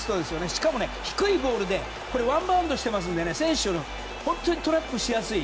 しかも、低いボールでワンバウンドしていますので選手、本当にトラップしやすい。